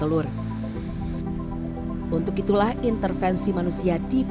anjing ini yang lebih berada kumives cap